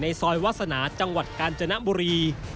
ซอยวาสนาจังหวัดกาญจนบุรี